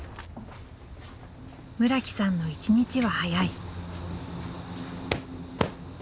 村木さんの一日は早い。